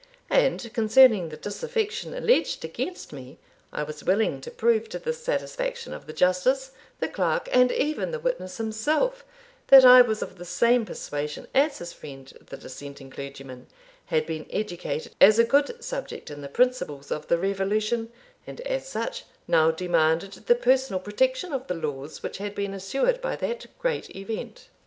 And concerning the disaffection alleged against me, I was willing to prove, to the satisfaction of the Justice, the clerk, and even the witness himself, that I was of the same persuasion as his friend the dissenting clergyman; had been educated as a good subject in the principles of the Revolution, and as such now demanded the personal protection of the laws which had been assured by that great event.